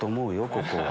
ここは。